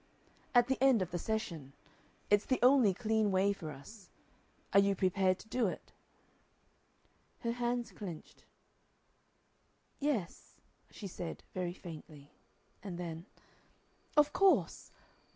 "At the end of the session. It's the only clean way for us. Are you prepared to do it?" Her hands clenched. "Yes," she said, very faintly. And then: "Of course!